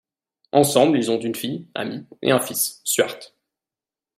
Ensemble ils ont une fille, Amy, et un fils, Stuart.